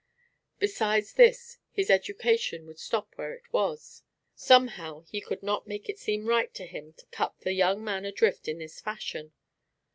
Besides this, his education would stop where it was. Somehow he could not make it seem right to him to cut the young man adrift in this fashion.